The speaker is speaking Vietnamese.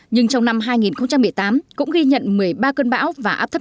nhưng trong năm hai nghìn một mươi tám cũng ghi nhận một mươi ba cơn bão và áp thấp